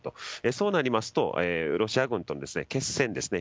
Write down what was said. そうなりますとロシア軍との決戦ですね。